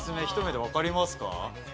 ひと目でわかりますか？